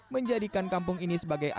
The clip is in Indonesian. menjadikan kampung ini menjadi kampung sejahtera